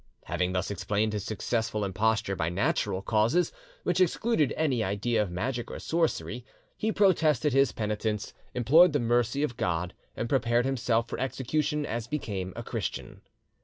Having thus explained his successful imposture by natural causes, which excluded any idea of magic or sorcery, he protested his penitence, implored the mercy of God, and prepared himself for execution as became a Christian.